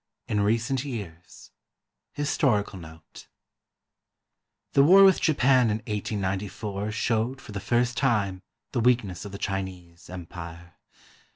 XI IN RECENT YEARS HISTORICAL NOTE The war with Japan in 1894 showed for the first time the weakness of the Chinese Empire.